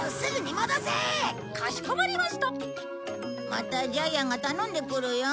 またジャイアンが頼んでくるよ。